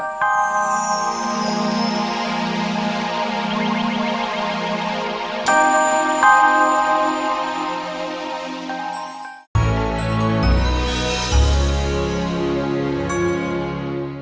ya tapi aku mau